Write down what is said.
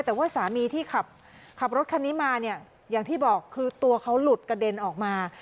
แต่ว่าสามีที่ขับรถคันนี้มาเนี่ยอย่างที่บอกคือตัวเขาหลุดกระเด็นออกมา